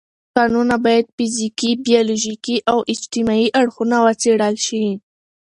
کانونه باید فزیکي، بیولوژیکي او اجتماعي اړخونه وڅېړل شي.